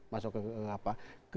masuk ke apa